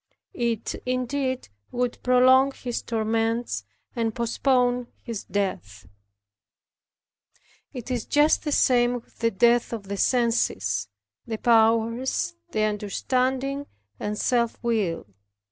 It indeed would prolong his torments, and postpone his death. It is just the same with the death of the senses, the powers, the understanding, and self will.